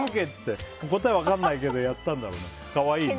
答え分からないけどやったんだろうね。